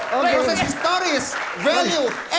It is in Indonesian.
berdasarkan historis value